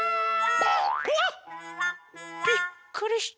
うわっびっくりした。